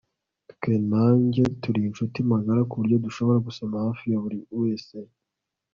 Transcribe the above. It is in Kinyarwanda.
Twe na njye turi inshuti magara kuburyo dushobora gusoma hafi ya buriwese